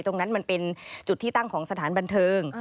ตรงนั้นมันเป็นจุดที่ตั้งของสถานบันเทิง